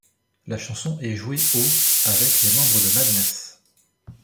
La chanson est jouée au avec les membres de Madness.